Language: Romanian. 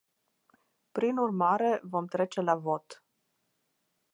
Prin urmare, vom trece la vot.